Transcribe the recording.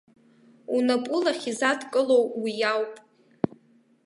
Унап улахь изадкылоу уи ауп.